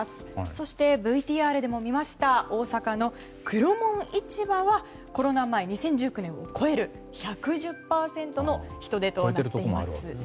そして、ＶＴＲでも見ました大阪の黒門市場はコロナ前、２０１９年を超える１１０％の人出となっています。